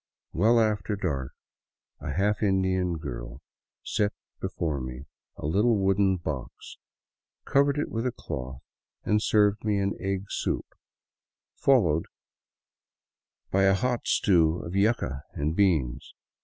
Well after dark a half Indian girl set before me a little wooden box, covered it with a cloth, and served me an tgg soup, followed by a hot stew of yuca and beans.